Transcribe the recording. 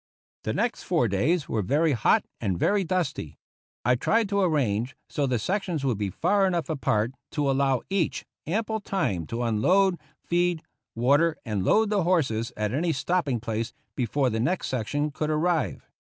The next four days were very hot and very dusty. I tried to arrange so the sections would be far enough apart to allow each ample time to unload, feed, water, and load the horses at any stopping place before the next section could ar rive.